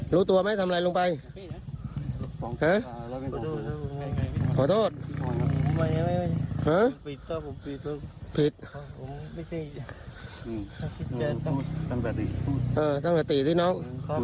อย่าทำมันน้องอย่าทำมันน้อง